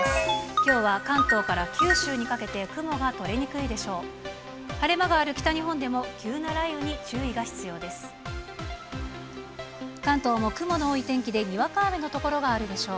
きょうは関東から九州にかけて雲が取れにくいでしょう。